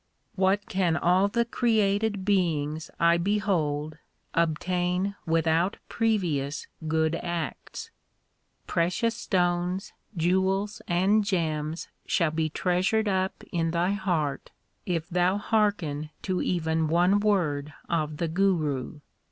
What can all the created beings I behold obtain without previous good acts ? Precious stones, jewels, and gems shall be treasured up in thy heart if thou hearken to even one word of the Guru.